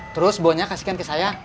terus bonya kasihkan ke saya